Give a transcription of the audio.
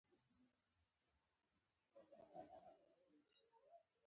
زینبه له نورمحمد عالم نه زده کړه.